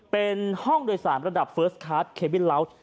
เป็นห้องโดยสารระดับเฟิร์สคลาสเควินลาวท